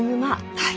はい。